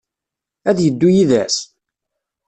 Ad d-yeddu yid-s?